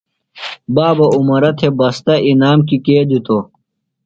بابہ عمرہ تھےۡ بستہ انعام کیۡ کے دِتوۡ؟